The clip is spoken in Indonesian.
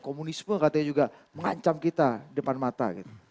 komunisme katanya juga mengancam kita depan mata